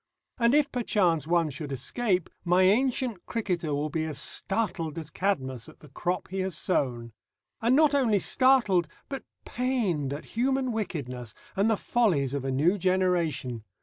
And if perchance one should escape, my ancient cricketer will be as startled as Cadmus at the crop he has sown. And not only startled but pained at human wickedness and the follies of a new generation.